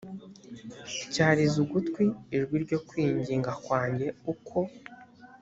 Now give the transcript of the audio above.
tyariza ugutwi ijwi ryo kwinginga kwanjye uko